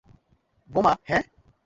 বোমা, হ্যাঁ?